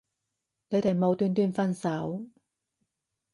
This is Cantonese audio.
你哋無端端分手